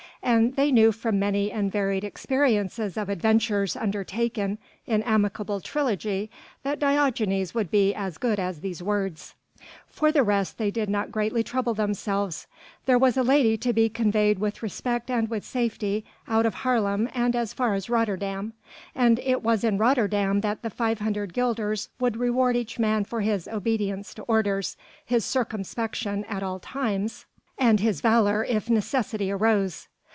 And they knew from many and varied experiences of adventures undertaken in amicable trilogy that Diogenes would be as good as these words. For the rest they did not greatly trouble themselves. There was a lady to be conveyed with respect and with safety, out of Haarlem and as far as Rotterdam, and it was in Rotterdam that the 500 guilders would reward each man for his obedience to orders, his circumspection at all times and his valour if necessity arose.